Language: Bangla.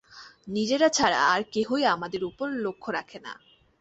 নিজেরা ছাড়া আর কেহই আমাদের উপর লক্ষ্য রাখে না।